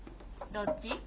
どっち？